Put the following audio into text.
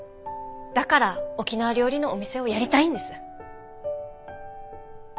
だから沖縄料理のお店をやりたいんです。